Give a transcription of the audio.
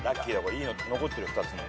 いいの残ってる２つも。